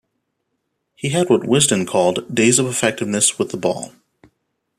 He had what "Wisden" called "days of effectiveness with the ball".